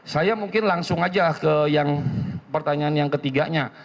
saya mungkin langsung aja ke pertanyaan yang ketiganya